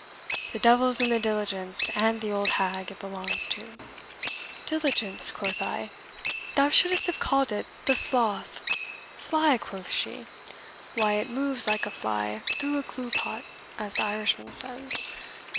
"The d l's in the diligence and the old hag, it belongs to! Diligence, quoth I? Thou shouldst have called it the Sloth Fly, quoth she? why, it moves like a fly through a glue pot, as the Irishman says.